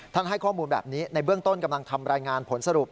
ให้ข้อมูลแบบนี้ในเบื้องต้นกำลังทำรายงานผลสรุป